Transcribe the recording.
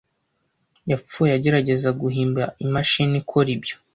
yapfuye agerageza guhimba imashini ikora ibyo